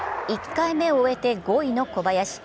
１回目を終えて５位の小林。